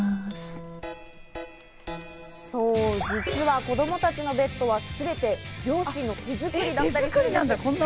そう、実は子供たちのベッドはすべて両親の手作りだったりするんです。